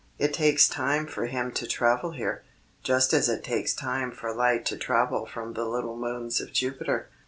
It takes time for him to travel here, just as it takes time for light to travel from the little moons of Jupiter."